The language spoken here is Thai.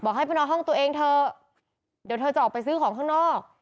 ให้ไปนอนห้องตัวเองเถอะเดี๋ยวเธอจะออกไปซื้อของข้างนอก